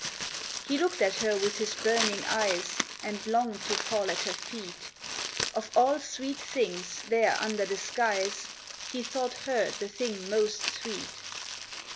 He looked at her with his burning eyes And longed to fall at her feet; Of all sweet things there under the skies, He thought her the thing most sweet.